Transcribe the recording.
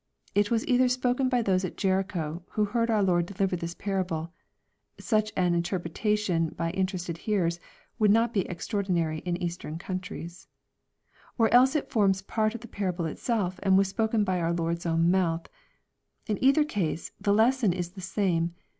It was either spoken by those at Jericho, who heard our Lord deliver this parable. (Such an interruption by inter ested hearers, would not be extraordinary in Eastern countries.) Or else it forms part of the parable itself and was spoken by our Lord's own mouth. In either case, the lesson is the same.